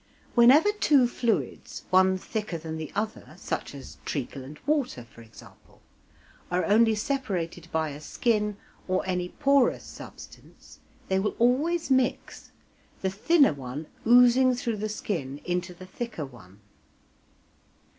Whenever two fluids, one thicker than the other, such as treacle and water for example, are only separated by a skin or any porous substance, they will always mix, the thinner one oozing through the skin into the thicker one.